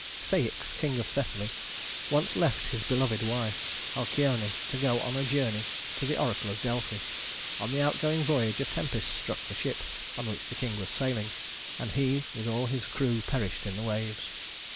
Ceÿx, king of Thessaly, once left his beloved wife, Halcyone, to go on a journey to the oracle of Delphi. On the outgoing voyage, a tempest struck the ship on which the king was sailing, and he with all his crew perished in the waves.